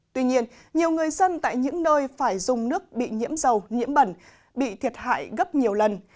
tuy nhiên nhiều người dân tại những nơi phải dùng nước bị nhiễm dầu nhiễm bẩn bị thiệt hại gấp nhiều lần